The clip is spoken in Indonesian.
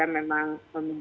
datanya akurat valid